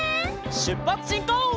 しゅっぱつしんこう！